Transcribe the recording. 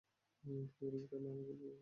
তুমি বলেছিলে না, তুমি আমাকে ভালবাসো।